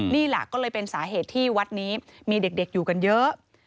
นี่แหละก็เลยเป็นสาเหตุที่วัดนี้มีเด็กอยู่กันเยอะ